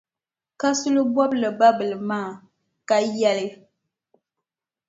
Kasuli bɔbili babila maa, ka yɛli,